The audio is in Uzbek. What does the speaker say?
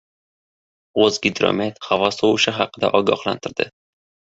O‘zgidromet havo sovishi haqida ogohlantirdi